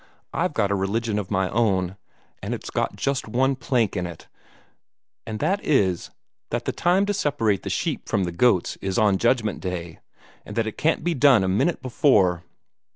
I've got a religion of my own, and it's got just one plank in it, and that is that the time to separate the sheep from the goats is on Judgment Day, and that it can't be done a minute before."